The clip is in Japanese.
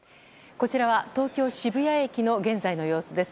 こちらは、東京・渋谷駅の現在の様子です。